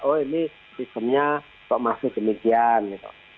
oh ini sistemnya kok masih demikian gitu